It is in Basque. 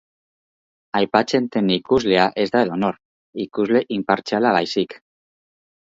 Aipatzen den ikuslea ez da edonor, ikusle inpartziala baizik.